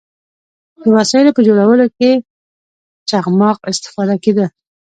د وسایلو په جوړولو کې له چخماق استفاده کیده.